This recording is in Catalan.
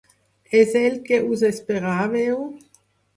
És el que us esperàveu?